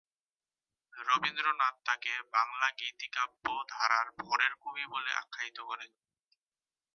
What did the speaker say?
রবীন্দ্রনাথ তাকে বাঙলা গীতি কাব্য-ধারার 'ভোরের পাখি' বলে আখ্যায়িত করেন।